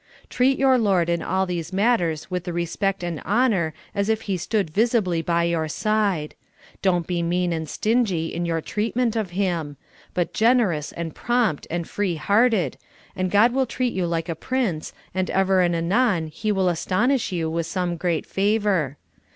Treat your Lord in all these matters wnth the respect and honor as if He stood visibly by your side ; don't be mean and stingy in your treatment of Him, but generous and prompt and free hearted, and God will treat you like a prince, and ever and anon He will astonish you with some great favor.